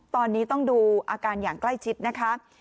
ตอนนี้ต้องดูอาการอย่างใกล้ชิดนะคะ